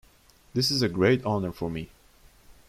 This is a great honour for me.